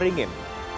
dengan pohon beringin